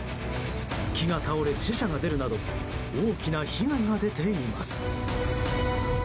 木が倒れ死者が出るなど大きな被害が出ています。